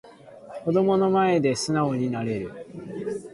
子供の前で素直になれる